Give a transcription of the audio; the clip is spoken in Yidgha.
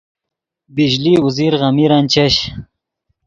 بجلی اوزیر غمیرن چش